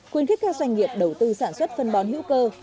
khuyến khích các doanh nghiệp đầu tư sản xuất phân bón hữu cơ